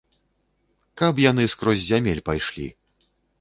Каб яны скрозь зямель пайшлі!